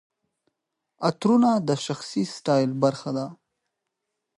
عطرونه د شخصي سټایل برخه ده.